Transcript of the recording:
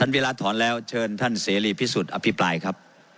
ขออนุญาตค่ะ